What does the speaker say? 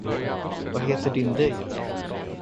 Vad heter din dejt?